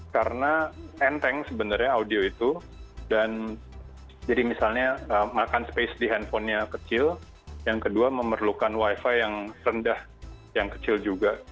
karena enteng sebenarnya audio itu dan jadi misalnya makan space di handphonenya kecil yang kedua memerlukan wifi yang rendah yang kecil juga